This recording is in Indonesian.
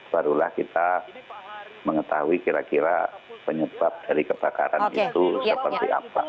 barulah kita mengetahui kira kira penyebab dari kebakaran itu seperti apa